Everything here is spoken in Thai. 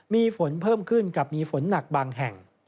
มีฝนเพิ่มขึ้นกับมีฝนหนักบางแห่ง